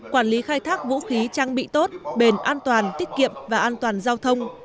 quản lý khai thác vũ khí trang bị tốt bền an toàn tiết kiệm và an toàn giao thông